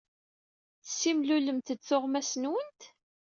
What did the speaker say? Tessimlulemt-d tuɣmas-nwent?